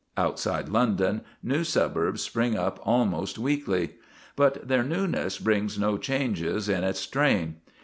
Outside London new suburbs spring up almost weekly. But their newness brings no changes in its train.